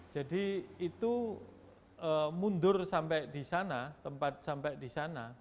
jadi itu mundur sampai di sana tempat sampai di sana